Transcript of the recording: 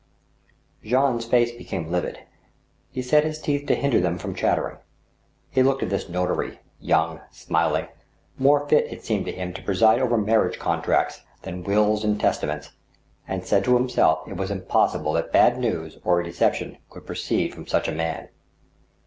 Jean's face became livid. He set his teeth to hinder them from chattering. He looked at this notary, young, smiling, more fit it seemed to him to preside over marriage contracts than wills and testaments, and said to himself it was impossible that bad news or a deception could proceed from such a man.